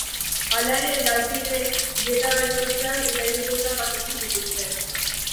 Hala ere, lau kideek dieta bikoitzak eta hirukoitzak jasotzen zituzten.